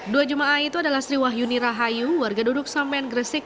dua jemaah itu adalah sri wahyuni rahayu warga duduk samen gresik